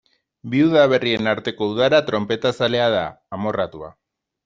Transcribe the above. Bi udaberrien arteko udara tronpetazalea da, amorratua.